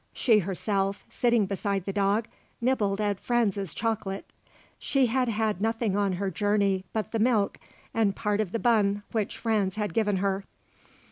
She herself, sitting beside the dog, nibbled at Franz's chocolate. She had had nothing on her journey but the milk and part of the bun which Franz had given her.